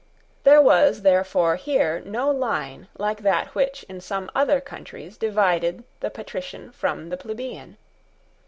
There was therefore here no line like that which in some other countries divided the patrician from the plebeian.